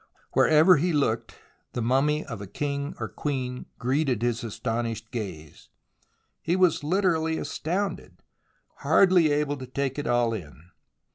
Wherever he looked the mummy of a king or queen greeted his astonished gaze. He was literally astounded, hardly able to take it all in.